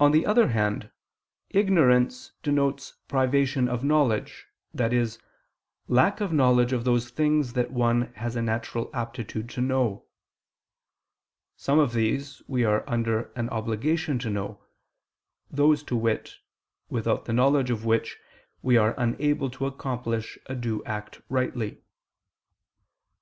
On the other hand, ignorance denotes privation of knowledge, i.e. lack of knowledge of those things that one has a natural aptitude to know. Some of these we are under an obligation to know, those, to wit, without the knowledge of which we are unable to accomplish a due act rightly.